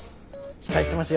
期待してますよ。